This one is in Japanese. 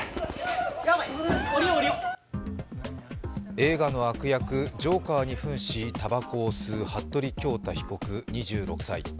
映画の悪役、ジョーカーに扮し、たばこを吸う服部恭太被告２６歳。